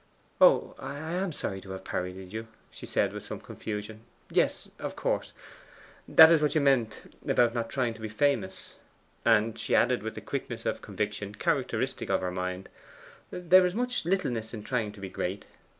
'Oh, I am sorry to have parodied you,' she said with some confusion. 'Yes, of course. That is what you meant about not trying to be famous.' And she added, with the quickness of conviction characteristic of her mind: 'There is much littleness in trying to be great.